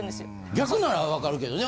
逆ならわかるけどね。